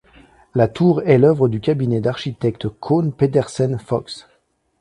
La tour est l'œuvre du cabinet d'architectes Kohn Pedersen Fox.